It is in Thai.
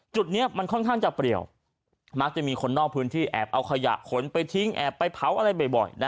จุดนี้มันค่อนข้างจะเปรียวมักจะมีคนนอกพื้นที่แอบเอาขยะขนไปทิ้งแอบไปเผาอะไรบ่อย